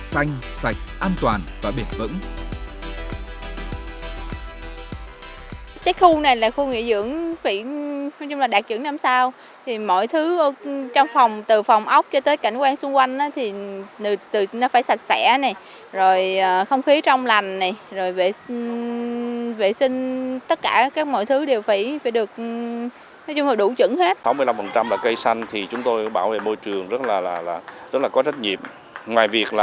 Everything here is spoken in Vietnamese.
xanh sạch an toàn và biệt vững